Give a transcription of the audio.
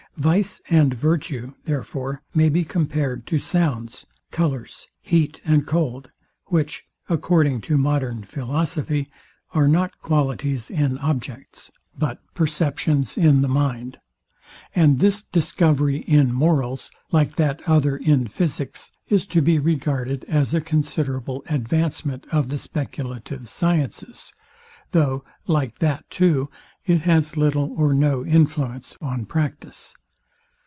Vice and virtue, therefore, may be compared to sounds, colours, heat and cold, which, according to modern philosophy, are not qualities in objects, but perceptions in the mind: And this discovery in morals, like that other in physics, is to be regarded as a considerable advancement of the speculative sciences; though, like that too, it has little or no influence on practice.